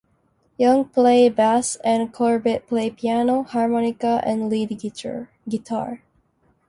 Young played bass, and Corbitt played piano, harmonica and lead guitar.